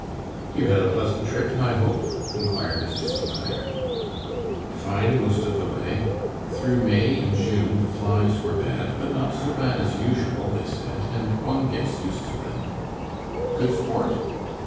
"You had a pleasant trip, I hope?" inquired Mr. St. Clair. "Fine most of the way. Through May and June the flies were bad, but not so bad as usual, they said, and one gets used to them." "Good sport?"